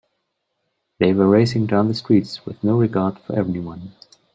They were racing down the streets with no regard for anyone.